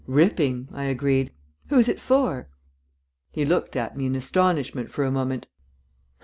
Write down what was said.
"Ripping," I agreed. "Who's it for?" He looked at me in astonishment for a moment.